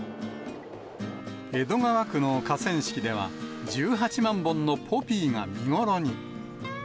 江戸川区の河川敷では、１８万本のポピーが見頃に。